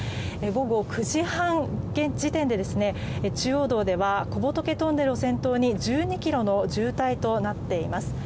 午後９時半時点で中央道では小仏トンネルを先頭に１２ｋｍの渋滞となっています。